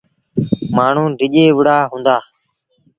مآڻهوٚݩ ڊڄي وُهڙآ هُݩدآ۔